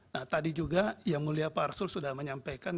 nah tadi juga yang mulia pak arsul sudah menyampaikan